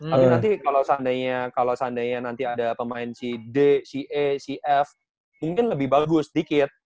tapi nanti kalau seandainya kalau seandainya nanti ada pemain si d si e si f mungkin lebih bagus sedikit